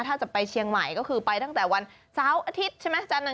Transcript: ถ้าจะไปเชียงใหม่ก็คือไปตั้งแต่วันเสาร์อาทิตย์ใช่ไหมจันทร์